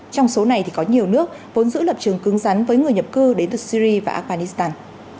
trong số này thì có nhiều nước vốn giữ lập trường cứng rắn với người nhập cư đến từ syri và afghanistan